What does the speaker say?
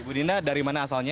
ibu dina dari mana asalnya